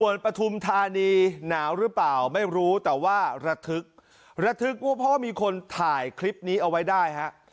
ส่วนปฐุมธานีหนาวหรือเปล่าไม่รู้แต่ว่าระทึกระทึกว่าเพราะว่ามีคนถ่ายคลิปนี้เอาไว้ได้ฮะ